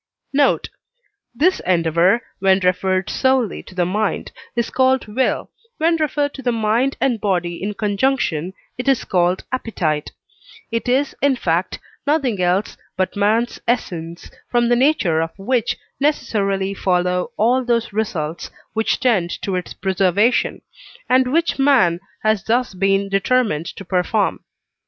Note. This endeavour, when referred solely to the mind, is called will, when referred to the mind and body in conjunction it is called appetite; it is, in fact, nothing else but man's essence, from the nature of which necessarily follow all those results which tend to its preservation; and which man has thus been determined to perform.